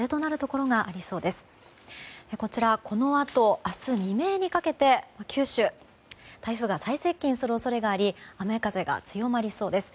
このあと明日未明にかけて九州、台風が最接近する恐れがあり雨風が強まりそうです。